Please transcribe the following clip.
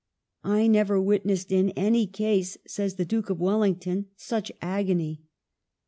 " I never witnessed in any case," says the Duke of Wellington, "such agony."